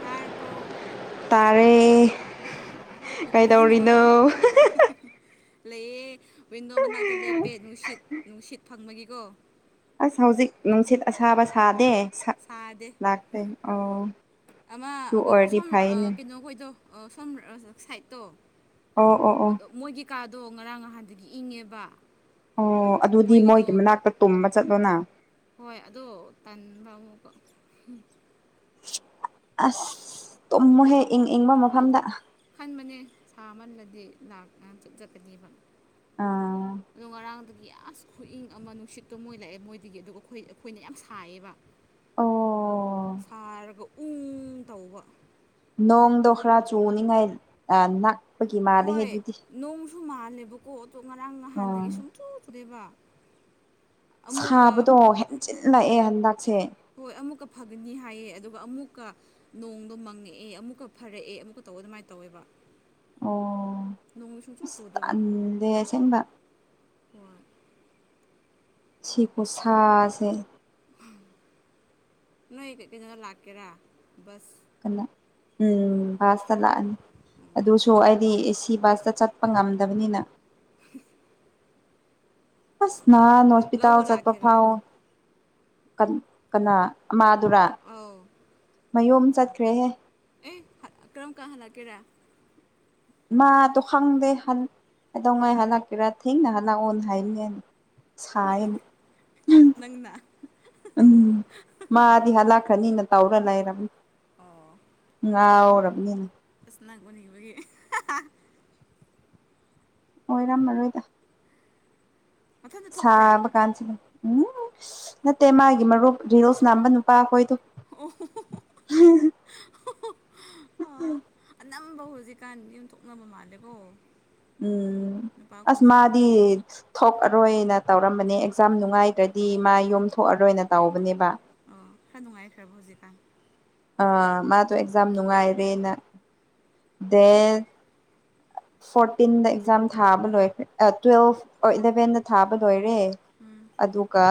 ꯄꯥꯔꯔꯕꯧ ꯇꯥꯔꯦ ꯀꯩꯗꯧꯔꯤꯅꯣ ꯂꯩꯌꯦ ꯋꯤꯟꯗꯣ ꯃꯅꯥꯛꯇ ꯂꯦꯞꯄꯦ ꯅꯨꯡꯁꯤꯠ ꯅꯨꯡꯁꯤꯠ ꯐꯪꯕꯒꯤꯀꯣ ꯑꯁ ꯍꯧꯖꯤꯛ ꯅꯨꯡꯁꯤꯠ ꯑꯁꯥꯕ ꯁꯥꯗꯦ ꯁꯥꯗꯦ ꯂꯥꯛꯇꯦ ꯑꯣ ꯑꯃ ꯑꯗꯨ ꯑ ꯑꯣꯏꯔꯗꯤ ꯁꯣꯝ ꯐꯩꯅꯦ ꯀꯩꯅꯣꯈꯣꯏꯗꯣ ꯁꯔꯖ ꯁꯥꯏꯇꯣ ꯑꯣ ꯑꯣ ꯑꯣ ꯀꯥꯗꯣ ꯉꯔꯥꯡ ꯅꯍꯥꯟꯗꯒꯤ ꯏꯪꯉꯦꯕ ꯑꯣ ꯑꯗꯨꯗꯤ ꯃꯣꯏꯒꯤꯗꯣ ꯃꯣꯏꯒꯤ ꯃꯅꯥꯛꯇ ꯇꯨꯝꯕ ꯆꯠꯄ ꯅꯪ ꯍꯣꯏ ꯑꯗꯣ ꯇꯟꯕ ꯑꯃꯨꯛꯀ ꯑꯁ ꯇꯨꯝꯃꯣꯍꯦ ꯏꯪ ꯏꯪꯕ ꯃꯐꯝꯗ ꯈꯟꯕꯅꯦ ꯁꯥꯃꯟꯕꯗꯤ ꯂꯥꯛꯀꯥꯟ [unintelligible] ꯑꯥ ꯑꯗꯨ ꯉꯔꯥꯡꯗ ꯗꯒꯤ ꯑꯁ ꯈꯨꯏꯪ ꯑꯃ ꯅꯨꯡꯁꯤꯠꯇꯣ ꯃꯣꯏ ꯂꯥꯛꯑꯦ ꯃꯣꯏꯗꯒꯤ ꯑꯗꯨꯒ ꯑꯩꯈꯣꯏ ꯑꯩꯈꯣꯏꯅ ꯌꯥꯝ ꯁꯥꯏꯌꯦꯕ ꯑꯣ ꯁꯥꯔꯒ ꯎꯪ ꯇꯧꯕ ꯅꯣꯡꯗꯣ ꯈꯔ ꯆꯨꯅꯤꯉꯥꯏ ꯑ ꯅꯛꯄꯒꯤ ꯃꯥꯜꯂꯦꯍꯦ ꯑꯗꯨꯗꯤ ꯗꯨ ꯃꯥꯜꯂꯦꯕꯀꯣ ꯑꯇꯣ ꯉꯔꯥꯡ ꯅꯍꯥꯟꯗꯒꯤ ꯎꯝ ꯁꯨꯡꯆꯨ ꯆꯨꯗꯦꯕ ꯑꯃꯨꯛꯀ ꯁꯥꯕꯗꯣ ꯍꯦꯟꯖꯤꯜꯂꯛꯑꯦ ꯍꯟꯗꯛꯁꯦ ꯍꯣꯏ ꯑꯃꯨꯛꯀ ꯐꯒꯅꯤ ꯍꯥꯏꯌꯦ ꯑꯗꯨꯒ ꯑꯃꯨꯛꯀ ꯅꯣꯡꯗꯣ ꯃꯪꯉꯛꯑꯦ ꯑꯃꯨꯛꯀ ꯐꯔꯛꯑꯦ ꯑꯃꯨꯛꯀ ꯇꯧꯕ ꯑꯗꯨꯃꯥꯏꯅ ꯇꯧꯋꯦꯕ ꯑꯣ ꯅꯣꯡ ꯁꯨꯡꯆꯨ ꯑꯁ ꯆꯨꯗꯕ ꯇꯟꯗꯦ ꯑꯁꯦꯡꯕ ꯋꯥ ꯁꯤ ꯈꯨꯁꯥꯥꯁꯦ ꯅꯣꯏ ꯀꯩꯅꯣꯗ ꯂꯥꯛꯀꯦꯔ ꯕꯁ ꯀꯥꯅ ꯎꯝ ꯕꯁ ꯇ ꯂꯥꯛꯑꯅꯤ ꯑꯗꯨꯁꯨ ꯑꯩꯗꯤ ꯑꯦ ꯁꯤ ꯕꯁꯇ ꯆꯠꯄ ꯉꯝꯗꯕꯅꯤꯅ [inaudible] ꯑꯁ ꯅꯍꯥꯥꯟ ꯍꯣꯁꯄꯤꯇꯥꯜ ꯂꯧꯕ ꯆꯠꯄ ꯂꯥꯛꯀꯦꯔꯥ ꯐꯥꯎ ꯀꯟ ꯀꯅꯥ ꯑ ꯑꯧ ꯃꯌꯨꯝ ꯆꯠꯈ꯭ꯔꯦꯍꯦ ꯑꯦ ꯀꯔꯝ ꯀꯥꯜ ꯍꯜꯂꯛꯀꯦꯔꯥ ꯃꯥ ꯇꯣ ꯈꯪꯗꯦ ꯍꯟ ꯀꯩꯗꯧꯉꯩ ꯍꯜꯂꯛꯀꯦꯔꯥ ꯊꯦꯡꯅ ꯍꯜꯂꯛꯑꯣꯅ ꯍꯥꯏꯕꯅꯦ ꯁꯥꯏ ꯅꯪꯅ [unintelligible] ꯎꯝ ꯃꯥꯗꯤ ꯍꯥꯂꯛ ꯈꯅꯤꯅ ꯇꯥꯎꯔ ꯂꯩꯔꯕꯅꯤ ꯑꯣ ꯉꯥꯎꯔꯕꯅꯤ ꯑꯁ ꯅꯪ ꯎꯅꯤꯡꯕꯒꯤ ꯑꯣꯏꯔꯝꯃꯔꯣꯏꯗ ꯃꯊꯟꯇ ꯊꯣꯛꯄ꯭ꯔꯥ ꯁꯥꯕ ꯀꯥꯟꯁꯤꯗ ꯎꯝ ꯅꯠꯇꯦ ꯃꯥꯒꯤ ꯃꯔꯨꯞ ꯔꯤꯔꯣꯁꯅꯥꯝꯕ ꯅꯨꯄꯥꯈꯣꯏꯗ ꯑꯣ ꯑꯣ ꯑ ꯑꯣ [unintelligible] ꯑꯅꯝ ꯇꯝꯕꯧ ꯍꯧꯖꯤꯛꯀꯥꯟ ꯌꯨꯝ ꯊꯣꯛꯅꯕ ꯃꯥꯜꯂꯦꯕꯣ ꯎꯝ ꯑꯁ ꯃꯥꯗꯤ ꯊꯣꯛꯑꯔꯣꯏꯅ ꯇꯧꯔꯝꯕꯅꯦ ꯑꯦꯛꯖꯥꯝ ꯅꯨꯡꯉꯥꯏꯗ꯭ꯔꯗꯤ ꯃꯥ ꯌꯨꯝ ꯊꯣꯛꯑꯔꯣꯏꯅ ꯇꯧꯕꯅꯦꯕ ꯈꯔꯥ ꯅꯨꯡꯉꯥꯏꯈ꯭ꯔꯕꯣ ꯍꯧꯖꯤꯛꯀꯥꯟ ꯑ ꯃꯥꯗꯣ ꯑꯦꯛꯖꯥꯝ ꯅꯨꯡꯉꯥꯏꯔꯦꯅ ꯗꯦꯟ ꯐꯣꯔꯇꯤꯟꯗ ꯑꯦꯛꯖꯥꯝ ꯊꯥꯕ ꯂꯣꯏꯈ꯭ꯔꯦ ꯇꯨꯋꯦꯜꯐ ꯏꯂꯚꯦꯟꯗ ꯊꯥꯕ ꯂꯣꯏꯔ ꯔꯦ ꯎꯝ ꯑꯗꯨꯒ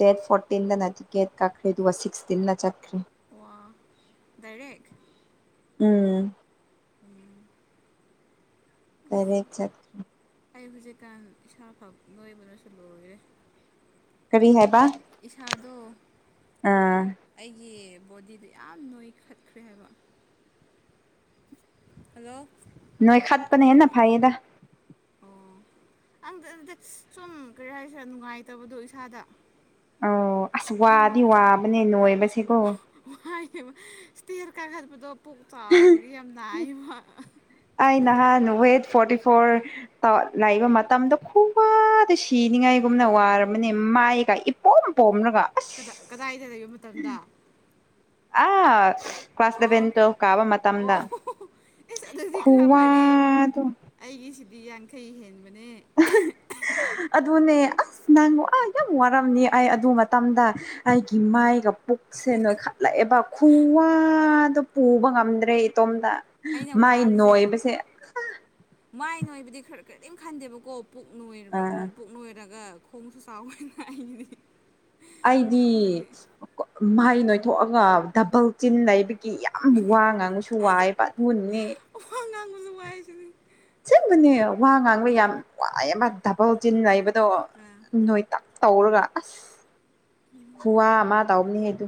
ꯗꯦꯠ ꯐꯣꯔꯇꯤꯟꯗꯅ ꯇꯤ ꯒꯦꯠ ꯀꯛꯈ꯭ꯔꯦ ꯑꯗꯨꯒ ꯁꯤꯛꯁꯇꯤꯟꯟꯅ ꯆꯠꯈ꯭ꯔꯦ ꯋꯥ ꯗꯥꯏꯔꯦꯛ ꯎꯝ [inaudible] ꯇꯔꯦꯠ ꯆꯠ ꯑꯩ ꯍꯧꯖꯤꯛꯀꯥꯟ ꯏꯁꯥ ꯐꯛ ꯂꯣꯏꯕꯅꯁꯨ ꯂꯣꯏꯔꯦ ꯀꯔꯤ ꯍꯥꯏꯕ ꯏꯁꯥꯗꯣ ꯑꯥ ꯑꯩꯒꯤ ꯕꯣꯗꯤꯗꯣ ꯌꯥꯝ ꯅꯣꯏꯈꯠꯈ꯭ꯔꯦ ꯍꯥꯏꯕ ꯍꯜꯂꯣ ꯅꯣꯏꯣꯏ ꯈꯠꯄꯅꯦ ꯍꯅ ꯐꯥꯏꯌꯦꯗ ꯑꯣ ꯑꯪꯗ ꯑꯗꯨꯗ ꯁꯨꯝ ꯀꯔꯤ ꯍꯥꯏꯦ ꯅꯨꯡꯉꯥꯏꯇꯕꯗꯣ ꯏꯁꯥꯗ ꯑꯣ ꯑꯁ ꯋꯥꯗꯤ ꯇꯨꯝꯃꯒ ꯋꯥꯕꯅꯦ ꯅꯣꯏꯕꯁꯀꯣ ꯇꯤꯔ ꯀꯥꯈꯠꯄꯗꯣ ꯄꯨꯛ ꯆꯥꯎꯕꯒꯤ ꯌꯥꯝ ꯅꯥꯏꯕ ꯑꯩ ꯅꯍꯥꯟ ꯋꯦꯠ ꯐꯣꯔꯇꯤ ꯐꯣꯔ ꯂꯩꯕ ꯃꯇꯝꯗ ꯈꯨꯋꯥꯗ ꯁꯤꯅꯤ ꯄꯤꯅꯤꯡꯉꯥꯏꯒꯨꯝꯅ ꯋꯥꯔꯕꯅꯤ ꯃꯥꯏꯒ ꯏꯄꯣꯝ ꯄꯣꯝꯅꯒ ꯀꯗꯥ ꯀꯗꯥꯏꯗ ꯂꯩꯕ ꯃꯇꯝꯗ ꯑꯥ ꯑꯣ ꯀ꯭ꯂꯥꯁꯗꯕꯦꯟꯇꯣ ꯀꯥꯕ ꯃꯇꯝꯗ ꯑꯣ ꯑꯦꯁ ꯑꯗꯨꯗꯤ ꯈꯔ ꯈꯨꯋꯥ ꯐꯔꯤ ꯑꯗꯨ ꯑꯩꯒꯤꯁꯤꯗꯤ ꯌꯥꯡꯈꯩ ꯍꯦꯟꯅꯤ ꯑꯗꯨꯅꯦ ꯑꯁ ꯅꯪꯉꯨ ꯑ ꯌꯥꯝ ꯋꯥꯔꯝꯅꯤ ꯑꯩ ꯑꯗꯨ ꯃꯇꯝꯗ ꯑꯩꯒꯤ ꯃꯥꯏꯒ ꯄꯨꯛꯁꯦ ꯅꯣꯏꯈ ꯂꯥꯛꯑꯦꯕ ꯈꯨꯋꯥꯗꯣ ꯄꯨꯕ ꯉꯝꯗ꯭ꯔꯦ ꯏꯇꯣꯝꯗ ꯑꯩꯅ ꯃꯥꯏ ꯋꯥꯕꯁꯦ ꯅꯣꯏꯕꯁꯦ ꯃꯥꯏ ꯅꯣꯏꯕꯗꯤ ꯈꯔ ꯀꯔꯤꯝ ꯈꯟꯗꯦꯕꯀꯣ ꯄꯨꯛꯣꯏ ꯑꯥ ꯄꯨꯛ ꯅꯣꯏꯔꯒ ꯈꯣꯡꯁꯨ ꯆꯥꯎꯅ ꯑꯩꯗꯤ ꯑꯩꯗꯤ ꯃꯍꯩ ꯅꯣꯏꯊꯣꯛꯑꯒ ꯗꯕꯜ ꯆꯤꯟ ꯂꯩ ꯀ ꯌꯥꯝ ꯋꯥ ꯉꯥꯡꯉꯨꯁꯨ ꯋꯥꯏ ꯄꯠ ꯍꯨꯟꯅꯤ ꯋꯥ [unintelligible] ꯁꯤꯕꯅꯦ ꯋꯥ ꯉꯥꯡꯕ ꯌꯥꯝ ꯋꯥꯏ ꯑꯃ ꯕꯜ ꯆꯤꯟ ꯂꯩꯕꯗꯣ ꯑꯥ ꯅꯣꯏ ꯇꯞ ꯇꯧꯔꯒ ꯑꯁ ꯈꯨꯋꯥ ꯑꯃ ꯇꯕꯅꯤ ꯍꯥꯏꯗꯨ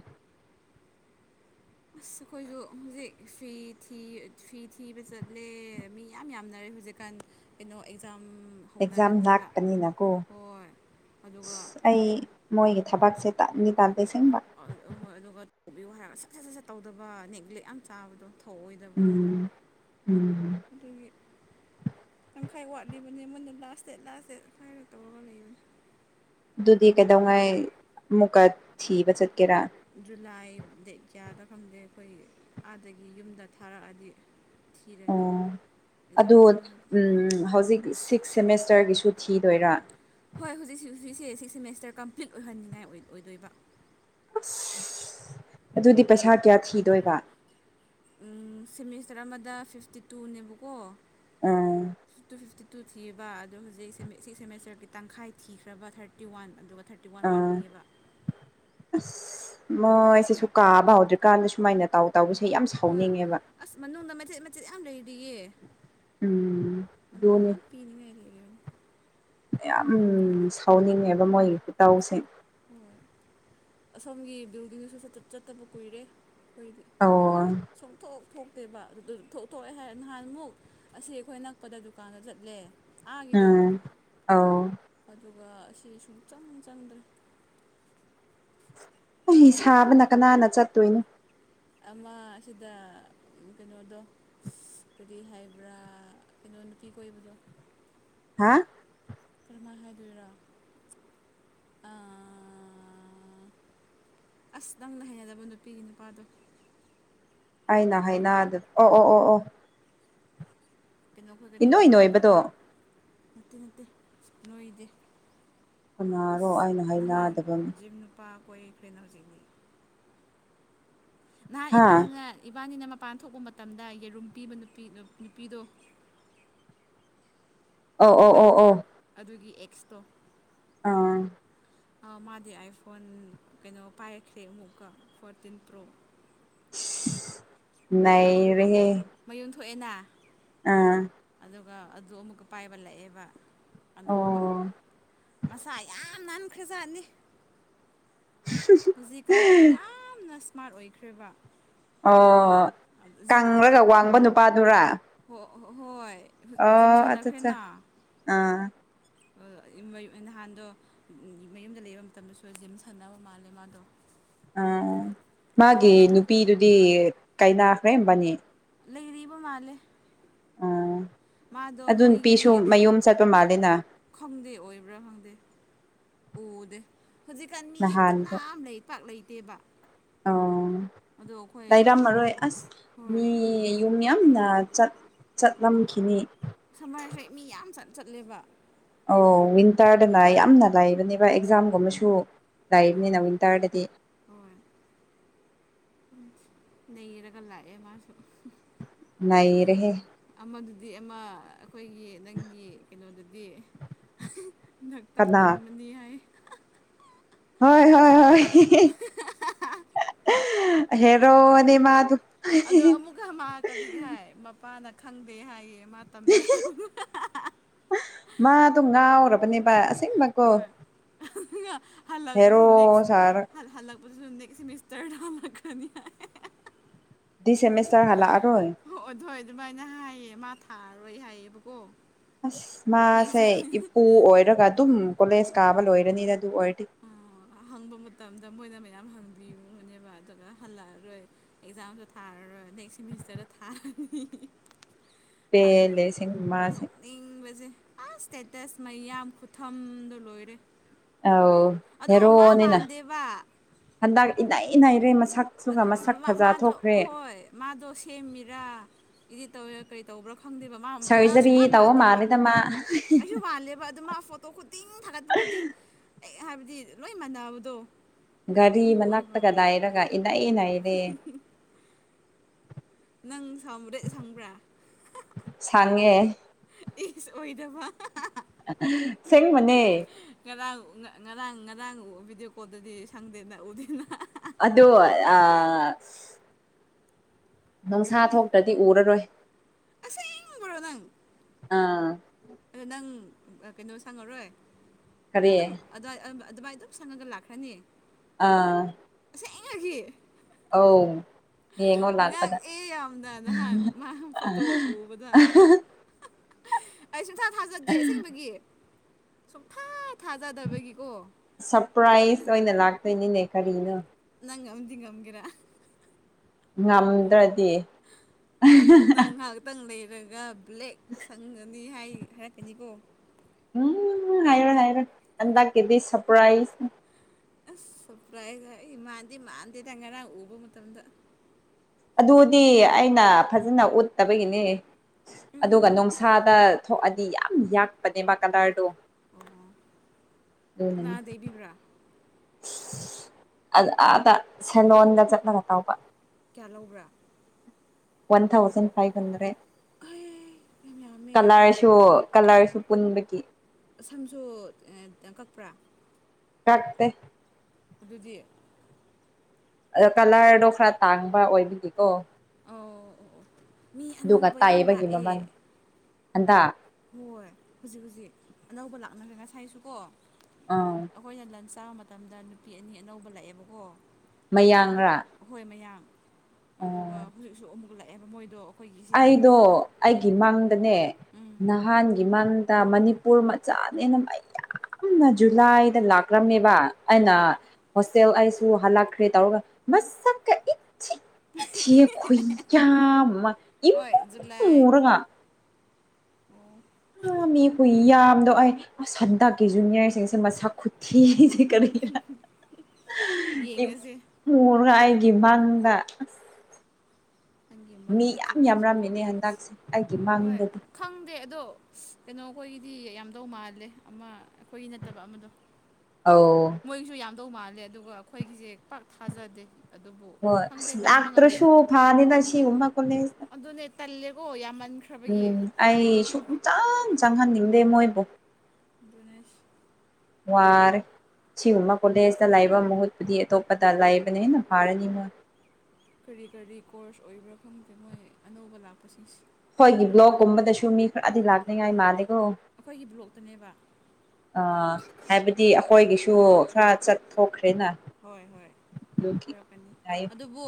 ꯑꯁ ꯑꯩꯈꯣꯏꯁꯨ ꯍꯧꯖꯤꯛ ꯐꯤ ꯐꯤ ꯊꯤꯕ ꯆꯠꯂꯦ ꯃꯤ ꯌꯥꯝ ꯌꯥꯝꯅꯔꯦ ꯍꯧꯖꯤꯛ ꯀ ꯀꯩꯅꯣ ꯑꯦꯛꯖꯥ ꯑꯦꯛꯖꯥꯝ ꯂꯥꯛꯄꯅꯤꯅꯀꯣ ꯍꯣꯏ ꯑꯗꯨꯒ ꯑꯩ ꯃꯣꯏꯒꯤ ꯊꯕꯛꯁꯦ ꯇꯥꯛꯅꯤ ꯇꯥꯟ ꯑ ꯍꯣꯏ ꯑꯗꯨꯒ ꯇꯧꯕꯤꯌꯨ ꯍꯥꯏꯔ ꯁꯠ ꯁꯠ ꯁꯠ ꯁꯠ ꯇꯧꯗꯕ ꯅꯦꯒ꯭ꯂꯦꯛ ꯌꯥꯝ ꯆꯥꯕꯗꯣ ꯊꯧꯑꯣꯏꯗꯕꯗꯣ ꯎꯝ ꯎꯝ ꯇꯈꯥꯏ ꯋꯥꯠꯂꯤꯕꯅꯤ ꯃꯨꯟꯅ ꯂꯥꯁ ꯗꯦꯠ ꯂꯥꯁ ꯗꯦꯠꯈꯥꯏꯔꯣ ꯇꯧꯔꯒ ꯂꯩꯕꯅꯤ ꯑꯗꯨꯗꯤ ꯀꯩꯗꯧꯉꯥꯏ ꯑꯃꯨꯛꯀ ꯊꯤꯕ ꯆꯠ ꯖꯨꯂꯥꯏ ꯗꯦꯠ ꯀꯌꯥꯗ ꯈꯪꯗꯦ ꯑꯩꯈꯣꯏꯒꯤ ꯑꯥꯗꯒꯤ ꯌꯨꯝꯗ ꯊꯥꯔꯛꯑꯗꯤ ꯊꯤꯔꯅꯤ ꯑꯣ ꯑꯦꯛꯖꯥꯝ ꯑꯗꯨ ꯃꯃꯥꯡꯗ ꯎ ꯊꯤꯔꯅꯤ ꯍꯧꯖꯤꯛ ꯁꯤꯛꯁ ꯁꯦꯃꯦꯁꯇꯔꯒꯤꯁꯨ ꯊꯤꯗꯣꯏꯔꯥ ꯍꯣꯏ ꯍꯧꯖꯤꯛꯁꯤ ꯍꯧꯖꯤꯛꯁꯦ ꯁꯤꯛꯁ ꯁꯦꯃꯦꯁꯇꯔ ꯀꯝꯄ꯭ꯂꯤꯠ ꯑꯣꯏꯍꯟꯅꯤꯡꯉꯥꯏ ꯑꯣꯏꯗꯣꯏꯕ ꯑꯗꯨꯗꯤ ꯄꯩꯁꯥ ꯀꯌꯥ ꯊꯤꯗꯣꯏꯕ ꯎ ꯁꯦꯃꯤꯁꯇꯔ ꯑꯃꯗ ꯐꯤꯐꯇꯤ ꯇꯨꯅꯦꯕꯀꯣ ꯎꯝ ꯐꯤꯞꯇꯤ ꯇꯨ ꯐꯤꯐꯇꯤ ꯇꯨ ꯊꯤꯕ ꯑꯗꯣ ꯍꯧꯖꯤꯛ ꯁꯤꯛꯁ ꯁꯦꯃꯤꯁꯇꯔꯒꯤ ꯇꯪꯈꯥꯏ ꯊꯤꯈ꯭ꯔꯕ ꯊꯥꯔꯇꯤ ꯋꯥꯟ ꯑꯗꯨꯒ ꯊꯥꯔꯇꯤ ꯋꯥꯟ ꯎꯝ ꯋꯥꯠꯂꯤꯌꯦꯕ ꯃꯣꯏ ꯑꯩꯁꯤꯁꯨ ꯀꯥꯕ ꯍꯧꯗ꯭ꯔꯤꯀꯥꯟꯗ ꯁꯨꯃꯥꯏꯅ ꯇꯧ ꯇꯧꯕꯁꯦ ꯌꯥꯝ ꯍꯣꯏ ꯁꯥꯎꯅꯤꯡꯉꯦꯕ ꯑꯁ ꯃꯅꯨꯡꯗ ꯃꯆꯦꯠ ꯃꯆꯦꯠ ꯌꯥꯝ ꯂꯩꯔꯤꯌꯦ ꯎꯝ ꯑꯗꯣ ꯙꯣꯅꯤ ꯌꯥꯝ ꯄꯤꯅꯤꯡꯉꯥꯏ ꯂꯩꯔꯤꯕꯅꯤ ꯌꯥꯝ ꯁꯥꯎꯅꯤꯡꯉꯦꯕ ꯃꯣꯏꯒꯤ ꯏꯇꯥꯎꯁꯦ ꯍꯣꯏ ꯑꯁꯣꯝꯒꯤ ꯕꯤꯜꯗꯤꯡꯁꯨ ꯁꯠꯆꯠ ꯆꯠꯇꯄ ꯀꯨꯏꯔꯦ ꯣꯏꯕꯤ ꯑꯣ ꯁꯨꯝꯊꯣꯛ ꯊꯣꯛꯇꯦꯕ ꯑꯗꯨꯗꯨ ꯊꯣꯛ ꯊꯣꯛꯑꯦ ꯍꯥꯏꯔꯦ ꯅꯍꯥꯟꯃꯨꯛ ꯑꯁꯤ ꯑꯩꯈꯣꯏ ꯅꯛꯄꯗ ꯗꯨꯀꯥꯟꯗ ꯆꯠꯂꯦ ꯑꯥꯒꯤꯗꯣ ꯎꯝ ꯑ ꯑꯗꯨꯒ ꯑꯁꯤ ꯁꯨꯡꯆꯪ ꯆꯪꯗ꯭ꯔꯦ ꯑꯩ ꯁꯥꯕꯅ ꯀꯅꯥꯅ ꯆꯠꯇꯣꯏꯅꯣ ꯑꯃ ꯁꯤꯗ ꯀꯩꯅꯣꯗꯣ ꯑꯗꯨꯔꯤ ꯍꯥꯏꯕ꯭ꯔꯥ ꯀꯩꯅꯣ ꯀ ꯀꯖ ꯑ ꯀꯔꯃ ꯍꯕꯤꯔꯥ ꯑꯁ ꯅꯪꯅ ꯍꯩꯅꯗꯕ ꯅꯨꯄꯤꯒꯤ ꯅꯨꯄꯥꯗꯣ ꯑꯩꯅ ꯍꯥꯏꯅ ꯑꯗꯨ ꯑꯣ ꯑꯣ ꯑꯣ ꯑꯣ ꯀꯩꯅꯣ ꯈꯔꯒ ꯏꯅꯣꯏ ꯂꯩꯃꯤꯟꯅꯕꯗꯣ ꯅꯣꯏꯕꯗꯣ ꯅꯠꯇꯦ ꯅꯠꯇꯦ ꯅꯣꯏꯗꯤ ꯀꯅꯥꯔꯣ ꯑꯩꯅ ꯍꯥꯏꯅꯗꯕꯅꯤ ꯀꯣꯏ ꯐꯅꯔꯖꯤꯤꯡꯅꯤ ꯅ ꯍꯥ ꯏꯕꯥꯅꯤꯅ ꯏꯕꯥꯅꯤꯅ ꯃ ꯄꯥꯟ ꯊꯣꯛꯄ ꯃꯇꯝꯗ ꯌꯦꯔꯨꯝ ꯄꯤꯕ ꯅꯨꯄꯤ ꯅꯨꯄꯤꯗꯣ ꯑ ꯑ ꯑꯣ ꯑꯣ ꯑꯁꯇꯣ ꯑꯥ ꯃꯥꯗꯤ ꯑꯥꯏꯐꯣꯟ ꯀꯩꯅꯣ ꯄꯥꯏꯔꯛꯈ꯭ꯔꯦ ꯑꯃꯨꯛꯀ ꯐꯣꯔꯇꯤꯟ ꯄ꯭ꯔꯣ ꯅ ꯔꯦ ꯃꯌꯨꯝ ꯊꯣꯛꯑꯦꯅ ꯑꯥ ꯑꯗꯨꯒ ꯑꯗꯨ ꯑꯃꯨꯛꯀ ꯄꯥꯏꯕꯠꯂꯛꯑꯦꯕ ꯑꯣ ꯑꯅꯧꯕ ꯃꯁꯥ ꯌꯥꯝ ꯅꯥꯟ ꯈꯖꯅꯤ ꯍꯧꯖꯤꯛꯀꯥꯟ ꯌꯥꯝꯅ ꯏꯁꯃꯥꯔꯠ ꯑꯣꯏꯈ꯭ꯔꯦꯕ ꯑꯣ ꯑ, ꯖꯤꯝ ꯀꯪꯂꯪꯔꯒ ꯋꯥꯡꯕ ꯅꯨꯄꯥꯗꯨꯔꯥ ꯍꯣ- ꯍꯣꯏ ꯖꯤꯝ ꯑꯣ ꯑꯠꯆꯥ ꯑꯠꯆꯥꯆꯥ ꯁꯥꯟꯅꯈ꯭ꯔꯦꯅ ꯑꯥ ꯑ, ꯅꯍꯥꯟꯗꯣ ꯃꯌꯨꯝꯗ ꯂꯩꯕ ꯃꯇꯝꯗꯁꯨ ꯖꯤꯝ ꯁꯥꯟꯅꯕ ꯃꯥꯜꯂꯦ ꯃꯥꯗꯣ ꯑꯥ ꯑꯗꯣ ꯃꯥꯒꯤ ꯃꯁꯥ ꯅꯨꯄꯤꯗꯨꯗꯤ ꯀꯩꯅꯥ ꯈ꯭ꯔꯦꯝꯕꯅꯤ ꯂꯩꯗꯤꯕ ꯃꯥꯂꯦ ꯎ ꯑꯗꯨ ꯃꯣꯏꯒꯤ ꯅꯨꯄꯤꯁꯨ ꯃꯌꯨꯝ ꯆꯠꯄ ꯃꯥꯂꯦꯅ ꯈꯪꯗꯦ ꯑꯣꯏꯕ꯭ꯔꯥ ꯈꯪꯗꯦ ꯎꯗꯦ ꯍꯧꯖꯤꯛꯀꯥꯟ ꯃꯤ ꯅꯍꯥꯟꯗꯣ ꯀꯅꯥꯝ ꯂꯩ ꯄꯥꯛ ꯂꯩꯇꯦꯕ ꯑꯣ ꯑꯗꯣ ꯑꯩꯈꯣꯏ ꯂꯩꯥꯏꯔꯝꯃꯔꯣꯏ ꯑꯁ ꯍꯣꯏ ꯃꯤ ꯌꯨꯝ ꯌꯥꯝꯅ ꯆꯠ ꯆꯠꯂꯝꯈꯤꯅꯤ ꯆꯠꯂꯤꯕ ꯑꯣ ꯋꯤꯟꯇꯔꯗꯅ ꯌꯥꯝꯅ ꯂꯩꯕꯅꯦꯕ ꯑꯦꯛꯖꯥꯝꯒꯨꯝꯕꯁꯨ ꯂꯥꯏꯅꯤ ꯑꯥ ꯅꯧꯟ ꯇꯥꯗꯤ ꯅꯔꯒꯂꯥꯌꯦ ꯃꯥꯁꯨ ꯅ ꯔꯦ ꯑꯗꯨꯗꯤ ꯑꯃ ꯑꯩꯈꯣꯏꯒꯤ ꯅꯪꯒꯤ ꯀꯩꯅꯣꯗꯨꯗꯤ ꯗꯥꯛꯇꯔ ꯀꯅꯥ ꯇꯝꯃꯅꯤ ꯍꯥꯏ ꯍꯣꯏ ꯍꯣꯏ ꯍꯣꯏ ꯍꯦꯔꯣ ꯑ ꯃꯥ ꯊ ꯑꯗꯣ ꯑꯃꯨꯛꯀ ꯃꯥ ꯀꯔꯤ ꯍꯥꯏ ꯃꯄꯥꯅ ꯈꯪꯗꯦ ꯍꯥꯏꯌꯦ ꯃꯥ ꯇꯝꯃꯦ ꯅꯤ ꯄꯁꯦꯡꯕꯀꯣ ꯍꯜꯂꯛꯄꯁꯨ ꯅꯦꯛꯁ ꯁꯥꯔꯗꯤ ꯍꯜꯂꯛꯄ ꯄꯨ ꯁꯗ ꯀ ꯁꯤꯁꯤ ꯃꯤꯁꯇꯔ ꯊꯥꯝ ꯀꯅꯤ ꯗꯤ ꯁꯦꯃꯤꯁꯔ ꯍꯂꯛ ꯑꯔꯣꯏ ꯍꯣꯏ ꯑꯗꯨꯃꯥꯏꯅ ꯍꯥꯏꯌꯦ ꯃꯥ ꯊꯥꯔꯔꯣꯏ ꯍꯥꯏꯌꯦꯕꯀꯣ ꯑꯁ ꯅꯦꯛꯁꯦ ꯃꯥꯁꯦ ꯏꯄꯨ ꯑꯣꯏꯔꯒ ꯑꯗꯨꯝ ꯀꯣꯂꯦꯖ ꯀꯥꯕ ꯂꯣꯏꯔꯅꯤꯗ ꯑꯗꯨ ꯑꯣꯏꯔꯗꯤ ꯍꯪꯕ ꯃꯇꯝꯗ ꯃꯣꯏꯅ ꯃꯌꯥꯝ ꯍꯪꯕꯤꯌꯨꯅꯦꯕ ꯑꯗꯨꯒ ꯍꯜꯂꯛꯑꯔꯣꯏ ꯑꯦꯛꯖꯥꯝꯁꯨ ꯊꯥꯔ ꯅꯦꯛꯁ ꯁꯤꯦꯃꯤꯁꯇꯔꯗ ꯊꯥꯅꯤ ꯄꯦꯂꯦꯁꯤꯡ ꯃꯥꯁꯤꯡ ꯅꯣꯛꯅꯤꯡꯕꯁꯦ ꯑꯁ ꯏꯁꯇꯦꯇꯁ ꯃꯌꯥꯝ ꯈꯨꯊꯝꯗꯣ ꯂꯣꯏꯔꯦ ꯑꯧ ꯑꯗꯣ ꯃꯥ ꯍꯦꯔꯣꯅꯤꯅ ꯃꯥꯟꯗꯦꯕ ꯍꯟꯗꯛ ꯏꯅ ꯏꯅ ꯏꯔꯦ ꯃꯁꯥ ꯑ ꯃꯥꯗꯣ ꯍꯣꯏ ꯃꯥꯗꯣ ꯁꯦꯝꯃꯤꯔꯥ ꯏꯗꯤ ꯇꯧꯋꯦ ꯀꯔꯤ ꯇꯧꯕ꯭ꯔꯣ ꯐꯪꯗꯦꯕ ꯃꯥ ꯃꯥ ꯁꯔꯖꯔꯤ ꯁꯨꯡꯛꯃꯥꯟ ꯇꯧꯕ ꯃꯥꯟꯗꯦꯕ ꯃꯥꯜꯂꯦꯗ ꯃꯥ ꯑꯩꯁꯨ ꯃꯥꯜꯂꯦꯕ ꯑꯗꯨ ꯃꯥ ꯐꯣꯇꯣ ꯇꯤꯡ ꯊꯥꯒꯠꯄ ꯈꯨꯗꯤꯡ ꯑꯩ ꯍꯥꯏꯕꯗꯤ ꯂꯣꯏ ꯃꯥꯟꯅꯕꯗꯣ ꯒꯥꯔꯤ ꯑꯃꯨꯛꯀ ꯑꯣꯏꯕ ꯃꯅꯥꯛꯇꯒ ꯗꯥꯏꯔꯒ ꯏꯅꯛꯏ ꯅꯅꯥꯩꯔꯦ ꯅꯪ ꯁꯕꯗ ꯁꯪꯕ꯭ꯔꯥ ꯁꯪꯉꯦ ꯑꯦ ꯁꯦꯡ ꯃꯅꯦ ꯉꯔꯥꯡ ꯉꯔꯥꯡ ꯉꯔꯥꯡ ꯚꯤꯗꯤꯑꯣ ꯀꯣꯜꯗꯗꯤ ꯁꯪꯗꯦꯅ ꯎꯗꯦꯅ ꯑꯗꯣ ꯑ ꯅꯨꯡꯁꯥ ꯊꯣꯛꯇ꯭ꯔꯗꯤ ꯎꯔꯔꯣꯏ ꯑꯁ ꯏ ꯄꯔꯣ ꯅꯪ ꯑꯥ ꯑꯗꯣ ꯅꯪ ꯀꯩꯅꯣ ꯁꯪꯉꯔꯣꯏ ꯀꯔꯤ ꯑꯗꯨꯝ ꯑꯗꯨꯏ ꯑꯗꯨꯃꯥꯏꯅ ꯑꯗꯨꯝ ꯁꯪꯉꯒ ꯂꯥꯛꯈ꯭ꯔꯅꯤ ꯑꯥ ꯌꯦꯦꯡꯉꯒꯤ ꯑꯥꯎ ꯉ ꯑꯦ ꯌꯥꯝꯗ ꯅꯍꯥꯟ ꯃꯥ ꯐꯠꯇꯣ ꯑꯣꯕꯥ [unintelligible] ꯑꯩ ꯁꯨꯡꯁꯥ ꯊꯥꯖꯗꯦ ꯑꯦꯡꯕꯒꯤ ꯁꯨꯝꯐꯠ ꯁꯔꯄ꯭ꯔꯥꯏꯁ ꯑꯣꯏꯅ ꯂꯥꯛꯇꯣꯏꯅꯤꯅꯦ ꯀꯔꯤꯅꯣ ꯉꯝꯗꯤꯤ ꯀꯃ ꯀꯔ ꯉꯝꯗ꯭ꯔꯗꯤ ꯅꯠꯇ꯭ꯔꯒ ꯕ꯭ꯂꯦꯛ ꯁꯪꯒꯅꯤ ꯍꯥꯏ ꯍꯥꯏꯔꯛꯀꯅꯤꯀꯣ ꯎꯝ ꯍꯥꯏꯔ ꯍꯥꯏꯔ ꯑꯟꯗ ꯀꯗꯤ ꯁꯔꯄ꯭ꯔꯁ ꯁꯄ꯭ꯔꯥꯏꯁꯃꯥꯟꯗꯤꯦ ꯃꯥꯟꯗꯤꯦꯗꯉꯅ ꯎꯕ ꯃꯇꯝꯗ ꯑꯗꯨꯗꯤ ꯑꯩꯅ ꯐꯖꯅ ꯎꯠꯇꯕꯒꯤꯅꯤ ꯑꯗꯨꯒ ꯎꯝ ꯅꯨꯡꯁꯥꯗ ꯊꯣꯛꯑꯗꯤ ꯌꯥꯝ ꯌꯥꯛꯄꯅꯦꯕ ꯀꯂꯔꯗꯣ ꯑꯣꯍꯣ ꯀꯅꯥꯗꯩꯕꯤꯕ꯭ꯔꯥ ꯑ ꯑꯥꯗ ꯁꯦꯂꯣꯟꯒ ꯆꯠꯂꯒ ꯇꯧꯕ ꯀꯌꯥ ꯂꯧꯕ꯭ꯔꯥ ꯋꯥꯟ ꯊꯥꯎꯖꯟ ꯐꯥꯏꯚ ꯍꯟꯗ꯭ꯔꯦꯠ ꯑꯩ ꯌꯥꯝ ꯌꯥꯝꯃꯦ ꯀꯂꯔꯁꯨ ꯀꯂꯔꯁꯨ ꯄꯨꯟꯕꯒꯤ ꯁꯝꯁꯨ ꯇꯪ ꯀꯛꯄ꯭ꯔꯥ ꯀꯥꯛꯇꯦ ꯑꯗꯨꯗꯤ ꯑꯗꯣ ꯀꯂꯔꯗꯣ ꯈꯔ ꯇꯥꯡꯕ ꯑꯣꯏꯕꯤꯒꯦꯀꯣ ꯑꯣ ꯑꯣ ꯃꯤ ꯑꯅꯧꯕ ꯌꯥꯝ ꯂꯥꯛꯑꯦ ꯑꯗ ꯍꯣꯏ ꯍꯧꯖꯤꯛ ꯍꯧꯖꯤꯛ ꯑꯅꯧꯕ ꯂꯥꯛꯅꯈ꯭ꯔꯦ ꯉꯁꯥꯏꯁꯨꯀꯣ ꯑꯥ ꯑꯩꯈꯣꯏꯅ ꯂꯟꯁ ꯆꯥꯕ ꯃꯇꯝꯗ ꯅꯨꯄꯤ ꯑꯅꯤ ꯑꯅꯧꯕ ꯂꯥꯛꯑꯦꯕꯀꯣ ꯑꯗꯣ ꯃꯌꯥꯡꯔꯥ ꯑꯣꯏ ꯃꯌꯥꯝ ꯑꯗꯨꯒ ꯑꯣ ꯍꯧꯖꯤꯛꯁꯨ ꯑꯃꯨꯛ ꯂꯥꯛꯑꯦꯕ ꯃꯣꯏꯗꯣ ꯑꯩꯈꯣꯏꯒꯤ ꯁꯤꯗ ꯑꯩꯗꯣ ꯎꯝ ꯑꯩꯒꯤ ꯃꯥꯡꯗꯅꯦ ꯎꯝ ꯅ ꯏꯝꯐꯥꯟꯒꯤ ꯃꯥꯡꯗ ꯃꯅꯤꯄꯨꯔ ꯃꯆꯥꯅꯦꯅ ꯌꯥꯝꯌꯥꯝꯅ ꯖꯨꯂꯥꯏꯗ ꯂꯥꯛ꯭ꯔꯝꯃꯦꯕ ꯑꯩꯅ ꯑꯣ ꯍꯣꯁꯇꯦꯜ ꯑꯩꯁꯨ ꯍꯜꯂꯛꯈ꯭ꯔꯦ ꯇꯧꯔꯒ ꯃꯁꯛ ꯊ ꯈꯨꯨꯌꯥ ꯍꯣꯏ ꯖꯨꯂꯥꯏ ꯑꯣ ꯑꯥ ꯃꯤ ꯍꯨꯏ ꯌꯥꯝꯗꯣ ꯑꯩ ꯑꯁ ꯍꯟꯗꯛꯀꯤꯁꯨꯨꯅꯤꯌꯥꯏꯁꯤꯡꯁꯦ ꯃꯁꯛ ꯈꯨꯊꯤ ꯀꯔꯤ ꯏ ꯌꯦꯡꯉꯁꯦ ꯃꯔ ꯉꯥꯏ ꯃꯥꯡꯗ ꯍꯪꯒꯤ ꯃꯪꯗꯤ ꯆꯨꯝꯕ꯭ꯔꯥ ꯆꯨꯝꯗ꯭ꯔꯥ ꯌꯥꯝꯔꯝꯃꯤꯅꯦ ꯔꯁ ꯍꯟꯗꯛꯁꯦ ꯑꯩꯒꯤ ꯍꯣꯏ ꯃꯪꯗꯗꯤ ꯈꯪꯗꯦ ꯑꯗꯣ ꯀꯩꯅꯣ ꯑꯩꯈꯣꯏꯒꯤꯗꯤ ꯌꯥꯝꯗꯧ ꯃꯥꯜꯂꯦ ꯑꯃ ꯑꯩꯈꯣꯏꯒꯤ ꯅꯠꯇꯕ ꯑꯃꯗꯣ ꯑ ꯗꯧ ꯃꯥꯜꯂꯦ ꯑꯗꯨꯒ ꯑꯩꯈꯣꯏꯒꯤꯁꯦ ꯄꯥꯛ ꯊꯥꯖꯗꯦ ꯑꯗꯨꯕꯨ ꯍꯣꯏ ꯈꯪꯗꯦ ꯇꯝꯕ ꯉꯝꯗꯦ ꯅꯥꯛꯇ꯭ꯔꯁꯨ ꯐ ꯍꯥꯏꯥꯅꯤ ꯅꯁꯤ ꯎ ꯃꯈꯀ ꯂꯩꯁ ꯇꯜꯦꯒꯣ ꯌꯥꯝ ꯎꯝ ꯑꯩ ꯁꯨꯡꯆꯪ ꯆꯪꯍꯟꯅꯤꯡꯗꯦ ꯃꯣꯏꯕꯨ ꯗꯅꯦꯁ ꯋꯥꯔꯦ ꯁꯤꯒꯨꯝꯕ ꯀꯣꯂꯦꯖꯇ ꯂꯥꯏꯕ ꯃꯍꯨꯠꯄꯨꯗꯤ ꯑꯇꯣꯞꯄꯗ ꯂꯥꯏꯕꯅ ꯍꯦꯟꯅ ꯐꯥꯔꯅꯤ ꯃꯣꯏ ꯀꯔꯤ ꯀꯔꯤ ꯀꯣꯔꯁ ꯑꯣꯏꯕ꯭ꯔꯥ ꯈꯪꯗꯦ ꯃꯣꯏ ꯑꯅꯧꯕ ꯂꯥꯛꯄꯁꯤꯡꯁꯦ ꯍꯣꯏꯒꯤ ꯕ꯭ꯂꯣꯛꯀꯨꯝꯕꯗꯁꯨ ꯃꯤ ꯈꯔꯗꯤ ꯂꯥꯛꯅꯤꯡꯉꯥꯏ ꯃꯥꯜꯂꯤ ꯑꯩꯈꯣꯏꯒꯤ ꯕ꯭ꯂꯣꯛꯇꯅꯦꯕ ꯑ ꯍꯥꯏꯕꯗꯤ ꯑꯩꯈꯣꯏꯒꯤꯁꯨ ꯈꯔ ꯆꯠꯊꯣꯛꯈ꯭ꯔꯦ ꯍꯣꯏ ꯍꯣꯏ ꯑꯣꯏꯔꯛꯀꯅꯤ ꯌꯥꯏ ꯑꯗꯨꯕꯨ